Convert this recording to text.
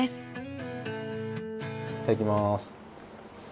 いただきます。